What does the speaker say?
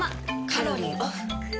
カロリーオフ。